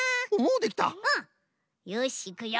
うん！よしいくよ！